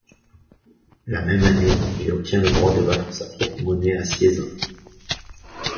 La même année, il obtient le droit de battre sa propre monnaie à Cieszyn.